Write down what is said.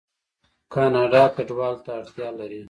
کاناډا کډوالو ته اړتیا لري.